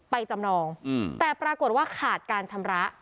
จำนองแต่ปรากฏว่าขาดการชำระ